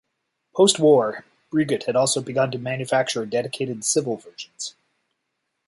Postwar, Breguet had also begun to manufacture dedicated civil versions.